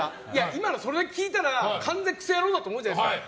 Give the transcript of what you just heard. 今のそれだけ聞いたら完全にクソ野郎だと思うじゃないですか。